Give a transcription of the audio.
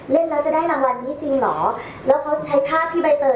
เล่นแล้วจะได้รางวัลนี้จริงเหรอแล้วเขาใช้ภาพที่ใบเตย